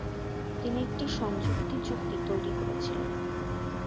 তিনি একটি সংযুক্তি চুক্তি তৈরি করেছিলেন।